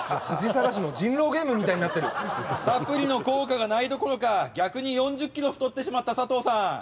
恥さらしの人狼ゲームみたいになってるサプリの効果がないどころか逆に４０キロ太ってしまったサトウさん